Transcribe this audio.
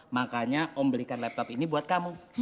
makanya om belikan laptop ini buat kamu